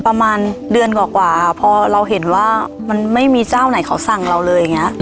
ประมาณเดือนกว่าพอเราเห็นว่ามันไม่มีเจ้าไหนเขาสั่งเราเลยอย่างนี้